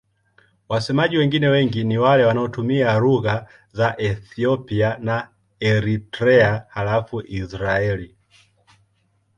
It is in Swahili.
Wasemaji wengine wengi ni wale wanaotumia lugha za Ethiopia na Eritrea halafu Israel.